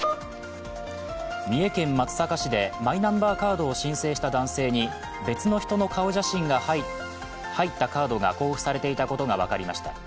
三重県松阪市でマイナンバーカードを申請した男性に別の人の顔写真が入ったカードが交付されていたことが分かりました。